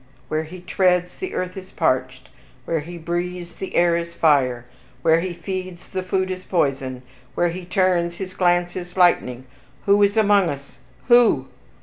Where he treads, the earth is parched! Where he breathes, the air is fire! Where he feeds, the food is poison! Where he turns his glance is lightning! WHO IS AMONG US? WHO?"